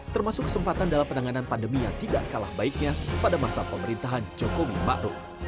termasuk kesempatan dalam penanganan pandemi yang tidak kalah baiknya pada masa pemerintahan jokowi ma'ruf